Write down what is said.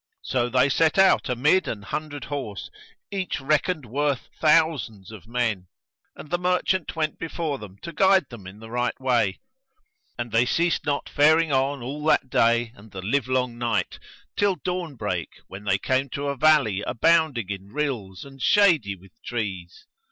So they set out amid an hundred horse, each reckoned worth thou sands of men, and the merchant went before them to guide them in the right way; and they ceased not faring on all that day and the livelong night till dawnbreak, when they came to a valley abounding in rills and shady with trees.